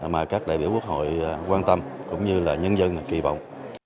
mà các đại biểu quốc hội quan tâm cũng như là nhân dân kỳ vọng